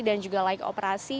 dan juga like operasi